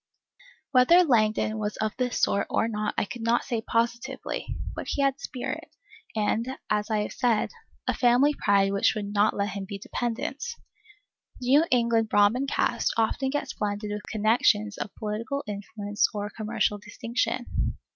Whether Langdon was of this sort or not I could not say positively; but he had spirit, and, as I have said, a family pride which would not let him be dependent. The New England Brahmin caste often gets blended with connections of political influence or commercial distinction.